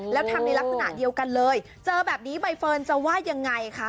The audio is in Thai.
แล้วทำในลักษณะเดียวกันเลยเจอแบบนี้ใบเฟิร์นจะว่ายังไงคะ